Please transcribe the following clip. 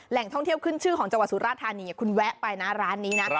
ท่องเที่ยวขึ้นชื่อของจังหวัดสุราธานีคุณแวะไปนะร้านนี้นะ